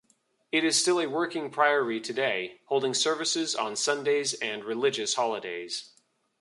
It is still a working priory today, holding services on Sundays and religious holidays.